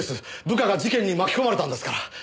部下が事件に巻き込まれたんですから。